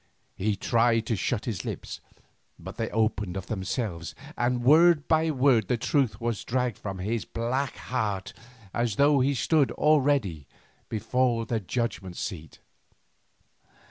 He tried to shut his lips, but they opened of themselves and word by word the truth was dragged from his black heart as though he stood already before the judgment seat.